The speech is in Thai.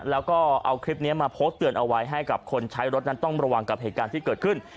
แล้วก็เอาคลิปนี้มาโพสต์เตือนเอาไว้ให้กับคนใช้รถนั้นต้องระวังกับเหตุการณ์ที่เกิดขึ้น